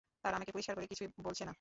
তারা আমাকে পরিষ্কার করে কিছুই বলছে না।